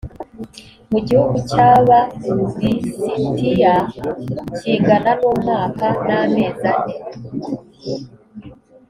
mu gihugu cy aba lisitiya kingana n umwaka n amezi ane